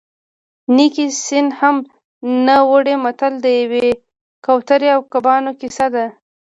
نیکي سین هم نه وړي متل د یوې کوترې او کبانو کیسه ده